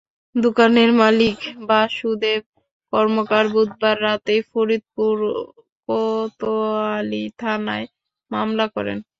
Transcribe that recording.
দোকানের মালিক বাসুদেব কর্মকার বুধবার রাতেই ফরিদপুর কোতোয়ালি থানায় মামলা করেন।